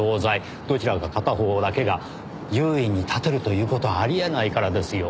どちらか片方だけが優位に立てるという事はあり得ないからですよ。